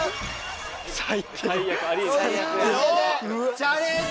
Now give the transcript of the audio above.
⁉チャレンジ